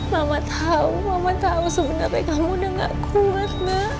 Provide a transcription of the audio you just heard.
mama tau mama tau sebenernya kamu udah gak kuat